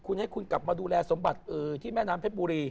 คุณให้คุณกลับมาดูแลสมบัติที่แม่น้ำเพชรบุรี